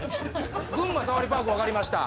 群馬サファリパーク分かりました